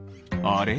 あれ？